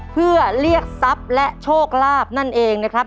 เพื่อเรียกทรัพย์และโชคลาภนั่นเองนะครับ